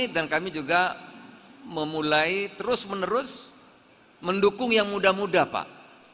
dan kami juga memulai terus menerus mendukung yang muda muda pak